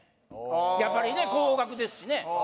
やっぱりね高額ですしね